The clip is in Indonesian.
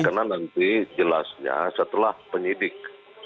karena nanti jelasnya setelah penyidik